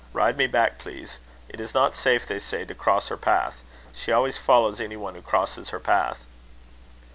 Ride me back, please. It is not safe, they say, to cross her path. She always follows any one who crosses her path."